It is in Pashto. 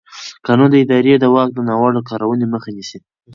قانون د ادارې د واک د ناوړه کارونې مخه نیسي.